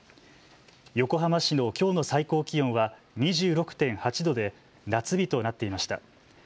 横浜市のきょうの最高気温は２６．８度で夏日となっていました。